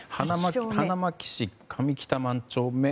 花巻市上北万丁目。